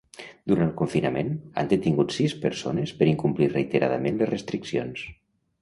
Durant el confinament, han detingut sis persones per incomplir reiteradament les restriccions.